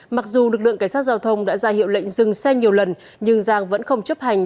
mặc dù lực lượng cảnh sát giao thông đã ra hiệu lệnh dừng xe nhiều lần nhưng giang vẫn không chấp hành